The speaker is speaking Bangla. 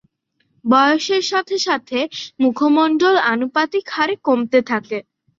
বয়সের সাথে সাথে মুখমণ্ডল আনুপাতিক হারে কমতে থাকে।